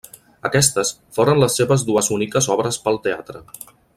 Aquestes foren les seves dues úniques obres pel teatre.